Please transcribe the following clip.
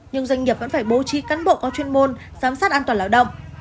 nhưng doanh nghiệp vẫn phải bố trí cán bộ có chuyên môn giám sát an toàn lao động